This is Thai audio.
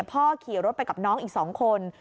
ขี่รถไปกับน้องอีก๒คน